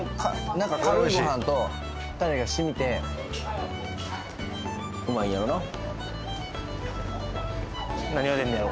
なんかかるいご飯とタレがしみてうまいんやろな何が出んねやろ？